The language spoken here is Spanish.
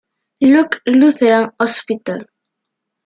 Luke Lutheran Hospital.